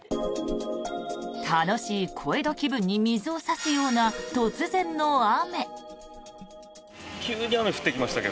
楽しい小江戸気分に水を差すような突然の雨。